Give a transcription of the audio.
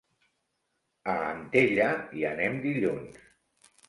A Antella hi anem dilluns.